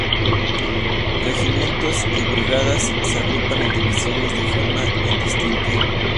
Regimientos y brigadas se agrupan en divisiones, de forma indistinta.